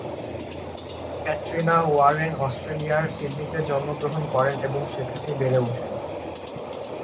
Katrina Warren অস্ট্রেলিয়ার সিডনিতে জন্মগ্রহণ করেন এবং সেখানেই বেড়ে ওঠেন।